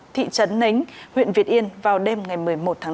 thị trấn nính huyện việt yên vào đêm ngày một mươi một tháng năm